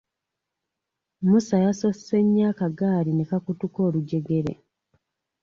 Musa yasosse nnyo akagaali ne kakutuka olujjegere.